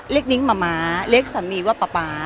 เรียกนิ้งมะมะเรียกสามีว่าป๊าป๊า